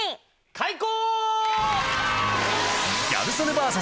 開講！